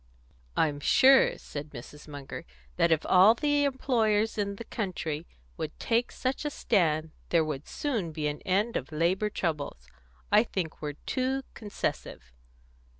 "I'm sure," said Mrs. Munger, "that if all the employers in the country would take such a stand, there would soon be an end of labour troubles. I think we're too concessive."